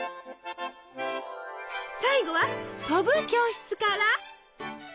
最後は「飛ぶ教室」から！